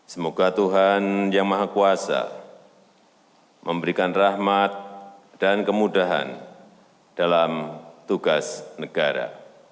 semoga tuhan yang maha kuasa memberikan rahmat dan kemudahan dalam tugas negara